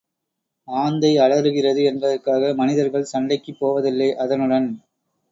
ஆந்தை அலறுகிறது என்பதற்காக மனிதர்கள் சண்டைக்குப் போவதில்லை அதனுடன்.